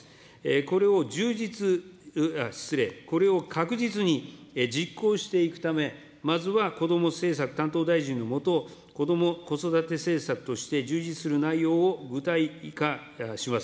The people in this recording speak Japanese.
これを充実、失礼、これを確実に実行していくため、まずはこども政策担当大臣の下、こども・子育て政策として充実する内容を具体化します。